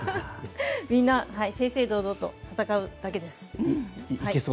みんな正々堂々と戦うだけです。